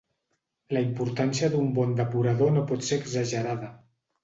La importància d'un bon depurador no pot ser exagerada.